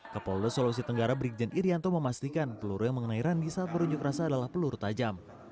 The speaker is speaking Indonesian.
kapolda sulawesi tenggara brigjen irianto memastikan peluru yang mengenai randi saat berunjuk rasa adalah peluru tajam